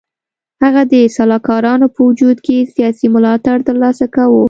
هغه د سلاکارانو په وجود کې سیاسي ملاتړ تر لاسه کاوه.